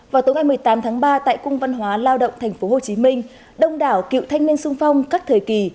vào tối ngày một mươi tám tháng ba tại cung văn hóa lao động tp hcm đông đảo cựu thanh niên sung phong các thời kỳ